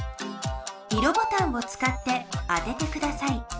色ボタンを使って当ててください。